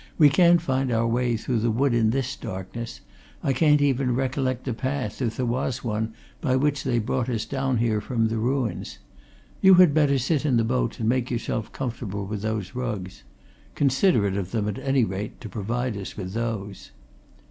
"We can't find our way through the wood in this darkness I can't even recollect the path, if there was one, by which they brought us down here from the ruins. You had better sit in the boat and make yourself comfortable with those rugs. Considerate of them, at any rate, to provide us with those!"